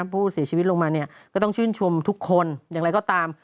ผู้เสียชีวิตลงมาเนี่ยก็ต้องชื่นชมทุกคนอย่างไรก็ตาม